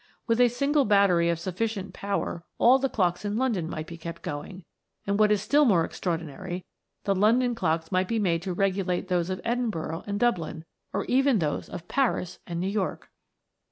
With a single >attery of sufficient power all the clocks in London night be kept going ; and what is still more extra >rdinary, the London clocks might be made to egulate those of Edinburgh and Dublin, or even hose of Paris and New York